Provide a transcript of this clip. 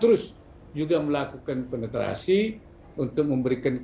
terus juga melakukan penetrasi untuk memberikan